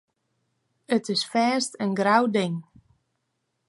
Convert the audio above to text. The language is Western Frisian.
It is fêst in grou ding.